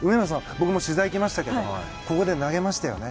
僕も取材に行きましたけどここで投げましたよね。